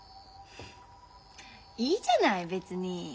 いいじゃない別に。